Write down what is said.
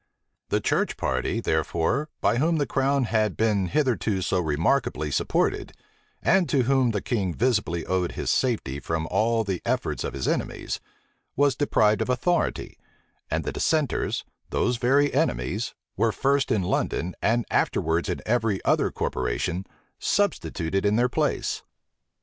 The church party, therefore, by whom the crown had been hitherto so remarkably supported, and to whom the king visibly owed his safety from all the efforts of his enemies, was deprived of authority; and the dissenters, those very enemies, were first in London, and afterwards in every other corporation, substituted in their place.